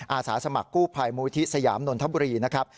อาสาสมัครกู้ภัยมูลที่สยามนนทบุรีนะครับ